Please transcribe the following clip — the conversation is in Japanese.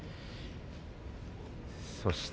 そして